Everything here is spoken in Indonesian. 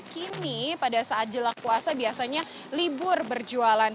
kini pada saat jelang puasa biasanya libur berjualan